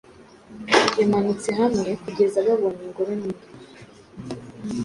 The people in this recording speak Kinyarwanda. Yamanutse hamwekugeza babonye ingoro nini